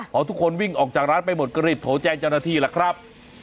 พอทุกคนวิ่งออกจากร้านไปหมดก็รีบโทรแจ้งเจ้าหน้าที่ล่ะครับ